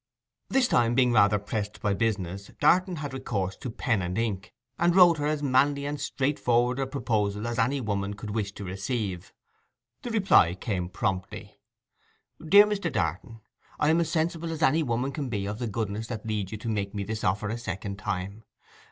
This time, being rather pressed by business, Darton had recourse to pen and ink, and wrote her as manly and straightforward a proposal as any woman could wish to receive. The reply came promptly: 'DEAR MR. DARTON,—I am as sensible as any woman can be of the goodness that leads you to make me this offer a second time.